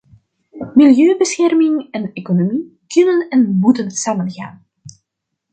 Milieubescherming en economie kunnen en moeten samengaan.